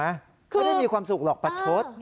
ไม่ได้มีความสุขหรอกประชด